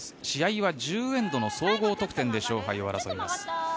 試合は１０エンドの総合得点で勝敗を争います。